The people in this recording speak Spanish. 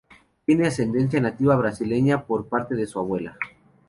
Tiene ascendencia nativa brasileña por parte su abuela.